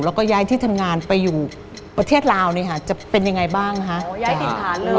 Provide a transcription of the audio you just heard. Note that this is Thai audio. แล้วก็ย่ายที่ทางงานไปอยู่ประเทศราวน์จะเป็นยังไงบ้างคะ